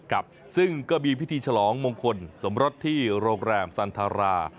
ครับซึ่งก็มีพิธีฉลองมงคลสมรสที่โรงแรมสันทรา